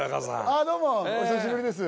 ああどうもお久しぶりです